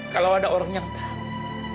kalau ada orang yang tahu